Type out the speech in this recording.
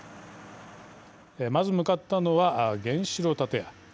まず向かったのは原子炉建屋。